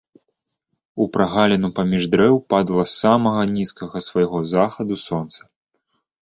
У прагаліну паміж дрэў падала з самага нізкага свайго захаду сонца.